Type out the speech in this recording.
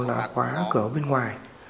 là khóa cửa bên ngoài